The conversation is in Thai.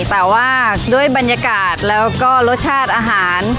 แต่ว่าด้วยบรรยากาศแล้วก็รสชาติอาหาร